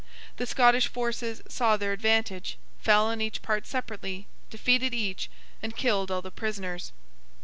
The Scottish forces saw their advantage; fell on each part separately; defeated each; and killed all the prisoners.